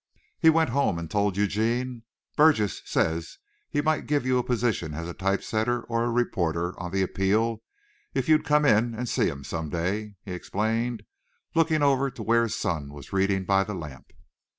He went home and told Eugene. "Burgess says he might give you a position as a type setter or a reporter on the Appeal if you'd come in and see him some day," he explained, looking over to where his son was reading by the lamp.